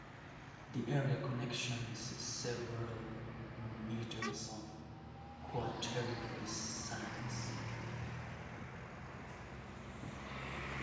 The area contains several meters of Quaternary sands.